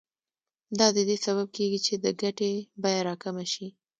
دا د دې سبب کېږي چې د ګټې بیه راکمه شي